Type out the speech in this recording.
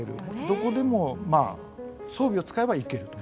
どこでも装備を使えば行けると。